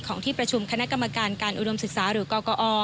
ที่ประชุมคณะกรรมการการอุดมศึกษาหรือกกอ